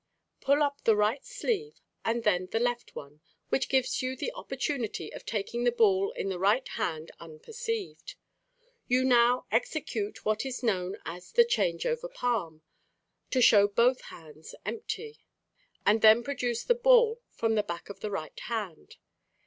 —Pull up the right sleeve and then the left one, which gives you the opportunity of taking the ball in the right hand unperceived. You now execute what is known as the "Change over Palm" to show both hands empty, and then produce the ball from the back of the right hand.